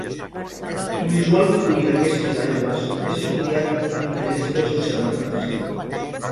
L'inusual fluir d'aquestes aigües és estudiat amb interès pels oceanògrafs.